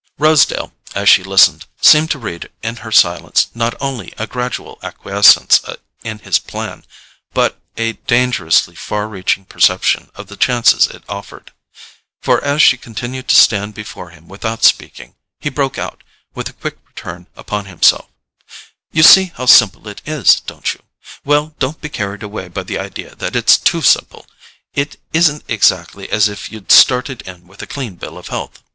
Rosedale, as she listened, seemed to read in her silence not only a gradual acquiescence in his plan, but a dangerously far reaching perception of the chances it offered; for as she continued to stand before him without speaking, he broke out, with a quick return upon himself: "You see how simple it is, don't you? Well, don't be carried away by the idea that it's TOO simple. It isn't exactly as if you'd started in with a clean bill of health.